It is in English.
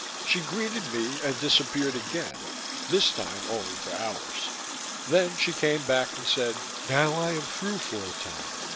She greeted me and disappeared again, this time only for hours. Then she came back and said, "Now I am through, for a time.